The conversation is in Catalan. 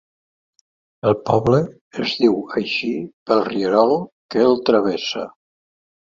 El poble es diu així pel rierol que el travessa.